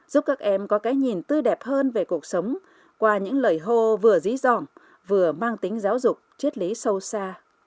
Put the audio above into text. giúp các em có cái nhìn tư đẹp hơn về cuộc sống qua những lời hô vừa dí dỏng vừa mang tính giáo dục triết lý sâu xa